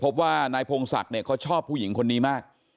พบว่านายพงศักดิ์เนี่ยเขาชอบผู้หญิงคนนี้มาก